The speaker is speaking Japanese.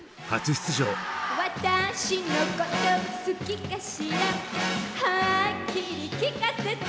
「私のこと好きかしらはっきりきかせて」